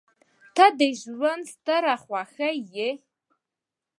• ته د ژونده ستره خوښي یې.